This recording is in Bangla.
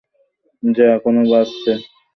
যা এখনও বাজছে।